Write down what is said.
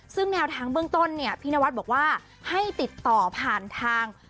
ซึ่งแนวทางเบื้องต้นเนี่ยพี่นวัดบอกว่าให้ติดต่อผ่านทาง